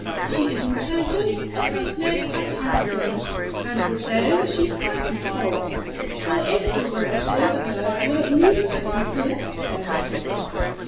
She is intelligent, accomplished and handsome, and although she has some faults, your influence over her will lead her to correct them."